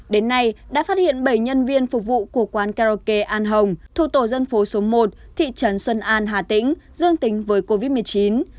đến nay đã phát hiện bảy nhân viên phục vụ của quán karaoke an hồng thuộc tổ dân phố số một thị trấn xuân an hà tĩnh dương tính với covid một mươi chín